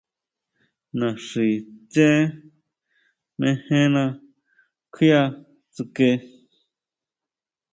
Naxitsé mejena kjuia tsuke.